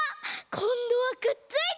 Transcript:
こんどはくっついた！